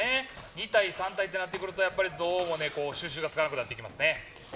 ２体、３体となってくるとどうも、収拾がつかなくなってきますね。